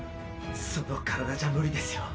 その体じゃ無理ですよ。